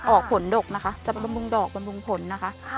ออกผลดกนะคะจะบรรบรับบุ่งดอกบรรบบุ่งผลนะคะ